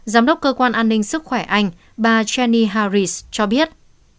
giám đốc cơ quan an ninh sức khỏe anh bà jenny haris cho biết